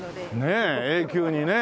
ねえ永久にねえ。